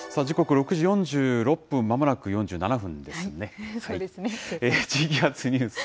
時刻６時４６分、まもなく４７分ですね。